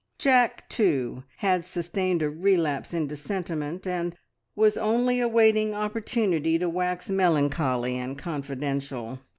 Jack, too, had sustained a relapse into sentiment, and was only awaiting opportunity to wax melancholy and confidential.